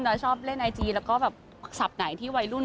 แล้วชอบเล่นไอจีแล้วก็แบบสับไหนที่วัยรุ้น